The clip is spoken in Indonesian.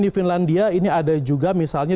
di finlandia ini ada juga misalnya